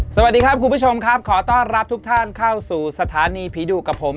สวัสดีครับคุณผู้ชมครับขอต้อนรับทุกท่านเข้าสู่สถานีผีดุกับผม